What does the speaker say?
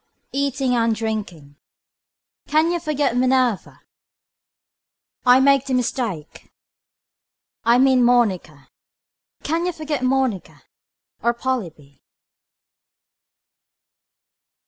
Eating and drinking. Can you forget Minerva. I make the mistake. I mean Monica. Can you forget Monica. Or Polybe.